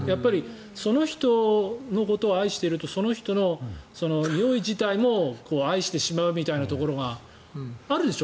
その人のことを愛しているとその人のにおい自体も愛してしまうみたいなところがあるでしょ。